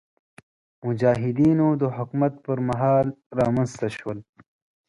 مجاهدینو د حکومت پر مهال رامنځته شول.